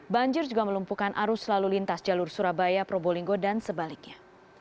banjir juga melumpuhkan arus lalu lintas jalur surabaya probolinggo dan sebaliknya